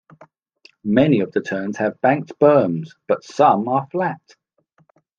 Many of the turns have banked berms, but some are flat.